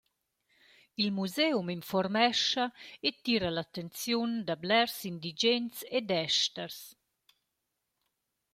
Il museum infuormescha e tira l’attenziun da blers indigens ed esters.